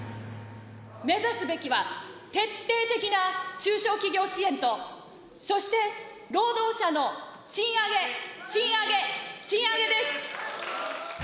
目指すべきは、徹底的な中小企業支援と、そして、労働者の賃上げ、賃上げ、賃上げです。